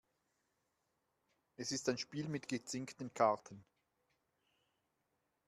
Es ist ein Spiel mit gezinkten Karten.